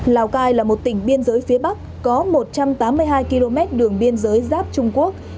lào cai là một tỉnh biên giới phía bắc có một trăm tám mươi hai km đường biên giới giáp trung quốc